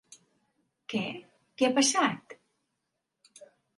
Què, què ha passat?